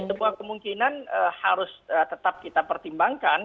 sebuah kemungkinan harus tetap kita pertimbangkan